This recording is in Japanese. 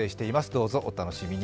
どうぞお楽しみに。